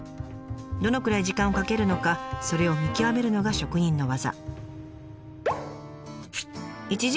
どのくらい時間をかけるのかそれを見極めるのが職人の技。